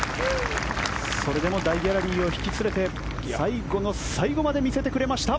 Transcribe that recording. それでも大ギャラリーを引き連れて最後の最後まで見せてくれました。